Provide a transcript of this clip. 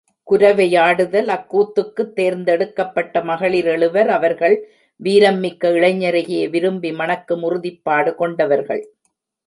குரவையாடுதல் அக்கூத்துக்குத் தேர்ந்தெடுக்கப்பட்ட மகளிர் எழுவர் அவர்கள் வீரம் மிக்க இளைஞரையே விரும்பி மணக்கும் உறுதிப்பாடு கொண்டவர்கள்.